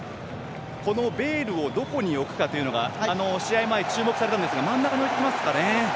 このベイルをどこに置くかが試合前、注目されたんですが真ん中に置いてきますかね。